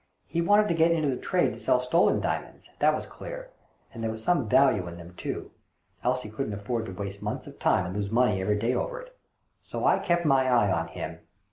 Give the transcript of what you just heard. He wanted to get into the trade to sell stolen diamonds, that was clear ; and there was some value in them too, else he couldn't afford to waste months of time and lose money every day over it. So I kept my eye on him.